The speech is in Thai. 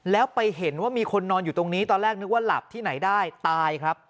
แล้วไปเห็นว่ามีคนนอนอยู่ตรงนี้ตอนแรกนึกว่าหลับที่ไหนได้ตายครับ